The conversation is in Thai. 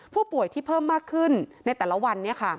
ผู้ป่วยที่เพิ่มมากขึ้นในแต่ละวัน